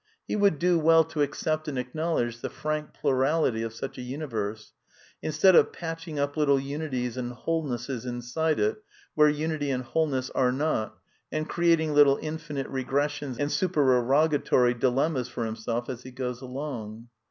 He would do well to accept and acKnowledge the frank plurality of such a universe, instead of patching up little unities and wholenesses inside it where unity and wholeness are not, and creating little infinite regressions and supererogatory dilemmas for himself as he goes along.